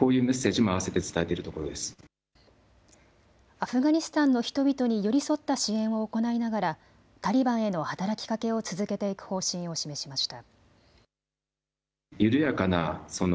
アフガニスタンの人々に寄り添った支援を行いながらタリバンへの働きかけを続けていく方針を示しました。